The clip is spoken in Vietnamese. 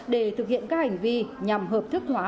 để thực hiện các hành vi nhằm hợp thức hóa